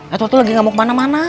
edward tuh lagi nggak mau kemana mana